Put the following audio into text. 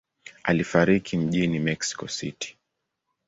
Alifariki mjini Mexico City.